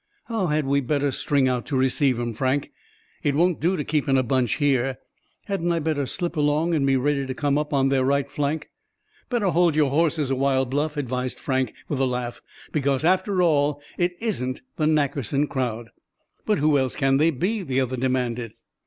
"How had we better string out to receive 'em, Frank? It won't do to keep in a bunch here. Hadn't I better slip along, and be ready to come up on their right flank?" "Better hold your horses a while, Bluff," advised Frank, with a laugh, "because after all it isn't the Nackerson crowd." "But who else can they be?" the other demanded.